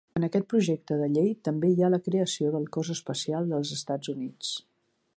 En aquest projecte de llei també hi ha la creació del cos espacial dels Estats Units.